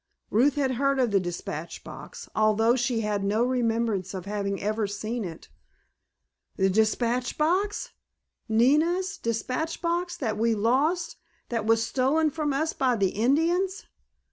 Ruth had heard of the dispatch box, although she had no remembrance of having ever seen it. "The dispatch box? Nina's dispatch box—that we lost—that was stolen from us by the Indians?"